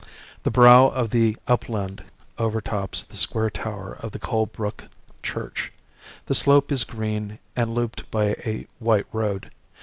The brow of the upland overtops the square tower of the Colebrook Church. The slope is green and looped by a white road.